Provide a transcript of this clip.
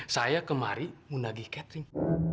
saya kemari mau nagih catering